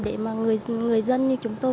để người dân như chúng tôi